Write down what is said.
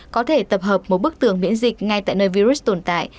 có thể tập hợp một bức tường miễn dịch ngay tại nơi virus tồn tại